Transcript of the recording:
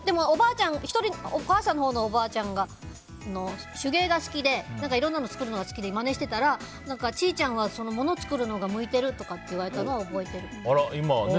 お母さんのほうのおばあちゃんが手芸が好きでいろいろ作るのが好きでまねしてたらちーちゃんはもの作るのが向いてるとかって言われたのは覚えてる。